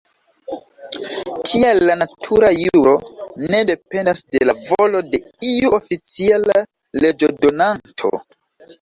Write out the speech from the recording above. Tial la natura juro ne dependas de la volo de iu oficiala leĝodonanto.